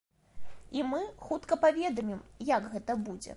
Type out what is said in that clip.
І мы хутка паведамім, як гэта будзе.